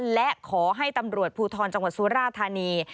และขอให้ตำรวจภูทรจังหวัดสุราธานี